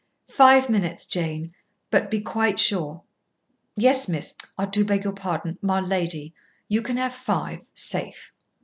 Five minutes, Jane. But be quite sure." "Yes, miss I do beg pardon my lady. You can have five safe."